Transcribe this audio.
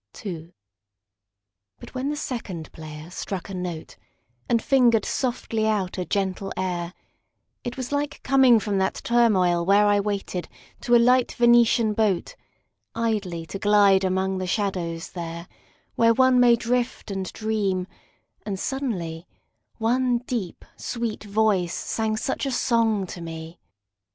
II. But when the second player struck a note And fingered softly out a gentle air It was like coming from that turmoil where I waited, to a light Venetian boat, Idly to glide among the shadows, there Where one may drift and dream; and suddenly One deep sweet voice sang such a song to me.